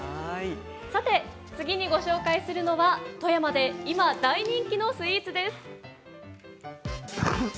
次にご紹介するのは富山で今大人気のスイーツです。